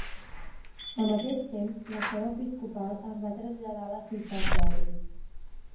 Al mateix temps, la seu episcopal es va traslladar a la ciutat d'Évry.